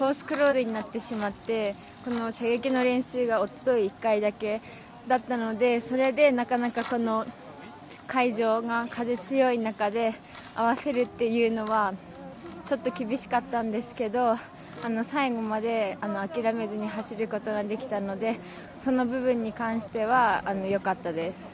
クローズになってしまって射撃の練習がおとといの１回だけだったのでそれで、なかなか会場の風が強い中で合わせるというのはちょっと厳しかったんですけど最後まで、諦めずに走ることができたのでその部分に関してはよかったです。